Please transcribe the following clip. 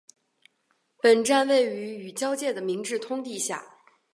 本站位于与交界的明治通地下。